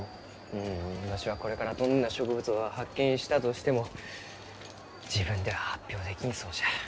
うんわしがこれからどんな植物を発見したとしても自分では発表できんそうじゃ。